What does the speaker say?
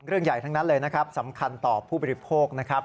เรื่องใหญ่ทั้งนั้นเลยนะครับสำคัญต่อผู้บริโภคนะครับ